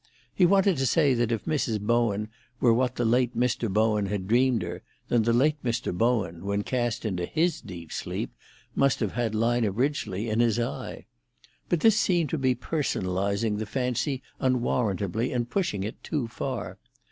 He wanted to say that if Mrs. Bowen were what the late Mr. Bowen had dreamed her, then the late Mr. Bowen, when cast into his deep sleep, must have had Lina Ridgely in his eye. But this seemed to be personalising the fantasy unwarrantably, and pushing it too far.